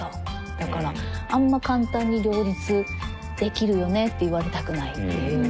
だからあんま簡単に両立できるよねって言われたくないっていううん。